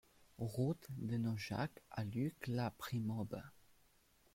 Route de Naujac à Luc-la-Primaube